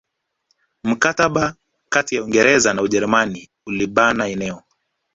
Mkataba kati ya Uingereza na Ujerumani ulibana eneo